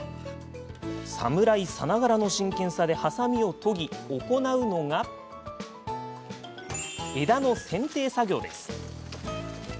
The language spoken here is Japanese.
侍さながらの真剣さではさみを研ぎ、行うのが枝のせんてい作業です。